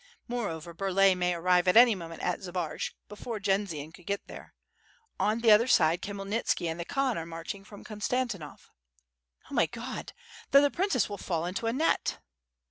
Moreover, Burlay may arrive at any moment at Zbaraj, before Jendzian could get there. On the other side Khrayelnitski and the Khan are marching from Konstantinov." "Oh, my God! then the princess will fall into a net."